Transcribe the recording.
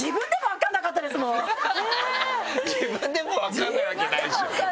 自分でも分かんないわけないでしょ。